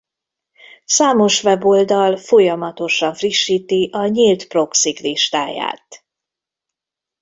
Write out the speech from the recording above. Számos weboldal folyamatosan frissíti a nyílt proxy-k listáját.